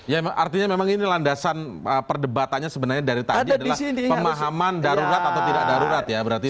ya artinya memang ini landasan perdebatannya sebenarnya dari tadi adalah pemahaman darurat atau tidak darurat ya